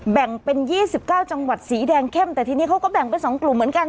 แบ่งเป็น๒๙จังหวัดสีแดงเข้มแต่ทีนี้เขาก็แบ่งเป็น๒กลุ่มเหมือนกัน